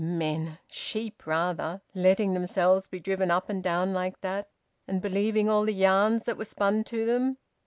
Men? Sheep rather! Letting themselves be driven up and down like that, and believing all the yarns that were spun to them!